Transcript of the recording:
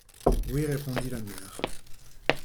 Oui, répondit la mère.